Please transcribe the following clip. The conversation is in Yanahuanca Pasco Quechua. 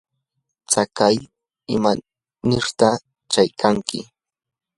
¿tsaychaw imanirtaq shaykanki?